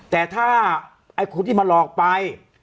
แต่ถ้าไอ้คนที่มาหลอกไป